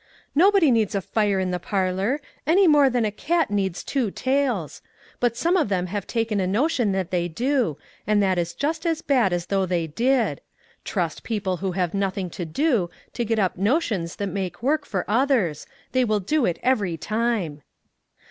" Nobody needs a fire in the parlor, any more than a cat needs two tails ; but some of them have taken a notion that they do, 263 MAG AND MARGARET and that is just as bad as though they did. Trust people who have nothing to do, to get up notions that make work for others; they will do it every time!